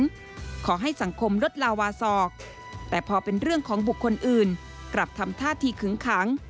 ขอให้สังคมลดลาวาสอกแต่พอเป็นเรื่องของบุคคลอื่นกลับทำท่าทีขึ้งขัง